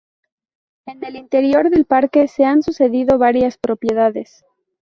En el interior del parque, se han sucedido varias propiedades.